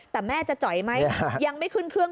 แต่แม่จะจ่อยไหมยังไม่ขึ้นเครื่อง